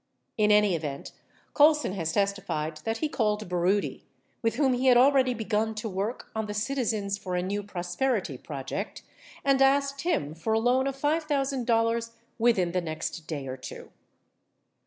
69 In any event, Colson has testified that he called Baroody, with whom he had already begun to work on the Citi zens for a New Prosperity project, and asked him for a loan of $5,000 within the next day or two.